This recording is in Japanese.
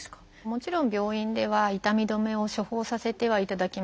もちろん病院では痛み止めを処方させてはいただきます。